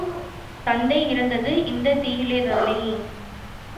தத்தை இறந்தது இந்தத் தீயிலேதானே?